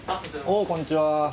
おおこんにちは。